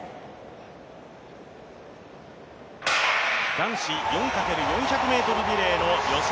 男子４×４００ｍリレーの予選